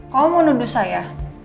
kamu mau nuduh saya